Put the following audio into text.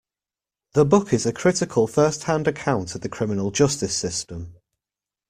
The book is a critical first hand account of the criminal justice system.